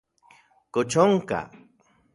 ¿Kox onka?